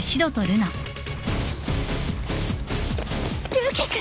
ルーキー君！